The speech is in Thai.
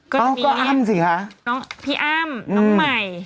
ก็จะมีปีอ้ามอังใหม่